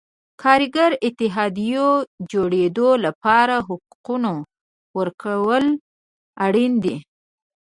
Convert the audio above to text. کارګري اتحادیو جوړېدو لپاره حقونو ورکول اړین دي.